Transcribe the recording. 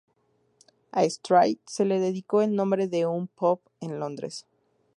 A Straw se le dedicó el nombre de un pub en Londres.